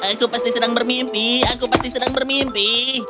aku pasti sedang bermimpi aku pasti sedang bermimpi